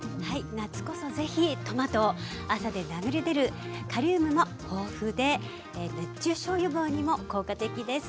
夏こそ是非トマトを汗で流れ出るカリウムも豊富で熱中症予防にも効果的です。